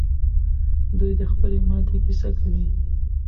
دوی د خپلې ماتې کیسه کوي.